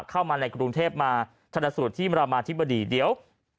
เข้ามาในกรุงเทพมาชนสูตรที่มรามาธิบดีเดี๋ยว